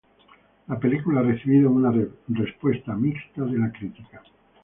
La película ha recibido una respuesta mixta de la crítica.